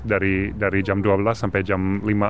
dari jam dua belas sampai jam lima